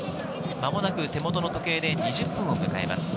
まもなく手元の時計で２０分を迎えます。